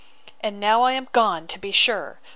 And now I am gone, to be sure!